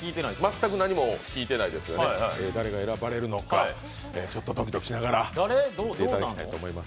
全く何も聞いてないですよね、誰が選ばれるのかドキドキしながら待ちたいと思います。